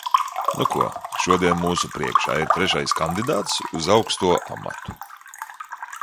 Nu ko, šodien mūsu priekšā ir trešais kandidāts uz šo augsto amatu.